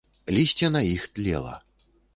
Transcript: Лісце на іх тлела.